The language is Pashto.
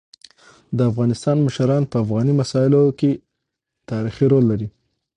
د افغانستان مشران په افغاني مسايلو کيتاریخي رول لري.